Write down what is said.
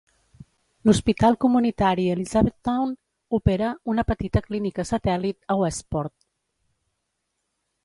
L'hospital comunitari Elizabethtown opera una petita clínica satèl·lit a Westport.